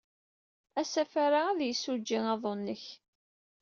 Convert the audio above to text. Asafar-a ad yessujjey aḍu-nnek.